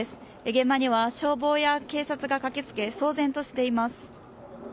現場には消防や警察が駆けつけ騒然としています。